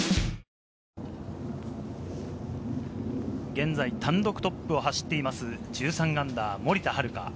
現在単独トップを走っています、−１３、森田遥。